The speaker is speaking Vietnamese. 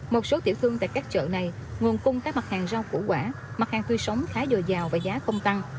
một số tiểu thương tại các chợ này nguồn cung các mặt hàng rau củ quả mặt hàng tươi sống khá dồi dào và giá không tăng